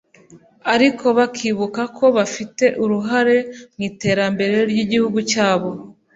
ariko bakibuka ko bafite uruhare mu iterambere ry’igihugu cyabo